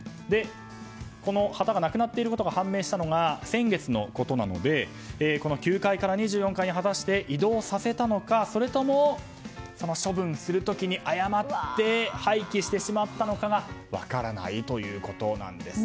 この旗がなくなっていることが判明したのが先月のことなので９階から２４階に果たして移動させたのかそれとも処分する時に誤って廃棄してしまったのかが分からないということなんです。